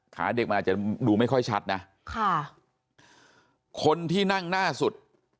ขาเด็กมันอาจจะดูไม่ค่อยชัดนะค่ะคนที่นั่งหน้าสุด